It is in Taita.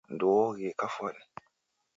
Ndeuoghie kafwani